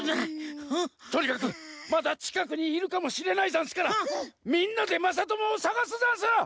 とにかくまだちかくにいるかもしれないざんすからみんなでまさともをさがすざんす！